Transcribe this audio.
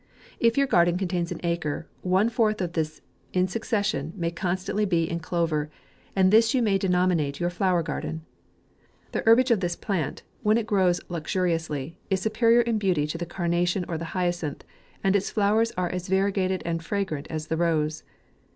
If your garden contains an acre, one fourth of this in succession may constantly be in clover, and this you may denominate your flower garden. The herbage of this plant, when it grows luxuriously, is superior in beauty to the carnation or hyacinth, and its flowers are as variegated and as fragant as the rose.